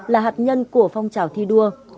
là hạt nhân của phong trào thi đua